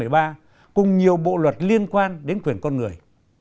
bài hiến pháp năm hai nghìn một mươi ba cùng nhiều bộ luật liên quan đến quyền con người